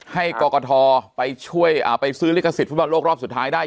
ให้กศธชไปซื้อลิขสิทธิ์ภูมิบันโลกรอบสุดท้ายได้